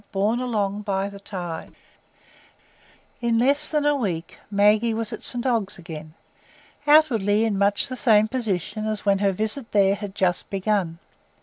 Borne Along by the Tide In less than a week Maggie was at St Ogg's again,—outwardly in much the same position as when her visit there had just begun.